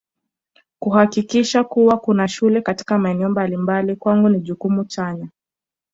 Kuhakikisha kuwa kuna shule katika maeneo mbalimbali kwangu ni jukumu chanya